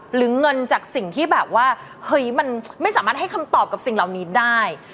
หรือเงินจากสิ่งที่แบบว่าเฮ้ยมันไม่สามารถให้คำตอบกับสิ่งเหล่านี้ได้